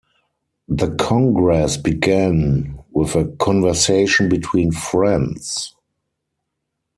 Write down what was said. The congress began with a conversation between friends.